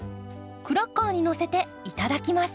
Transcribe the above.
クラッカーにのせていただきます。